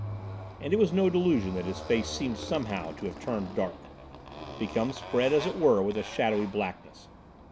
And it was no delusion that his face seemed somehow to have turned dark, become spread as it were with a shadowy blackness.